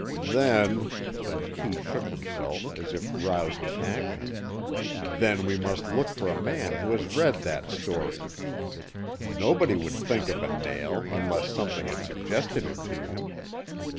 "Then," and Kee shook himself, as if roused to action, "then we must look for a man who has read that story. Nobody would think of a nail, unless something had suggested it to him.